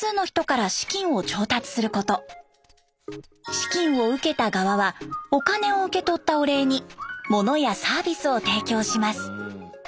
資金を受けた側はお金を受け取ったお礼に物やサービスを提供します。